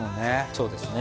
そうですね。